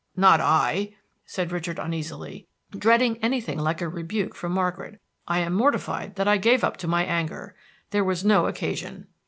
"Not I," said Richard uneasily, dreading anything like a rebuke from Margaret. "I am mortified that I gave up to my anger. There was no occasion."